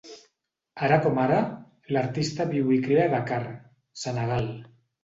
Ara com ara, l'artista viu i crea a Dakar, Senegal.